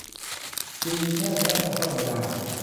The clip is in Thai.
จึงให้พนักงานซ่อมไม่ได้